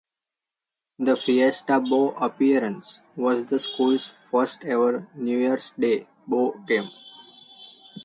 The Fiesta Bowl appearance was the school's first-ever New Year's Day bowl game.